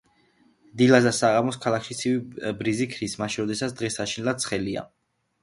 დილას და საღამოს ქალაქში ცივი ბრიზი ქრის, მაშინ, როდესაც დღე საშინლად ცხელია.